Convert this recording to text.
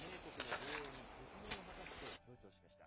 加盟国の防衛に責任を果たすと強調しました。